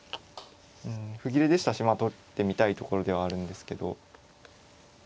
歩切れでしたし取ってみたいところではあるんですけど。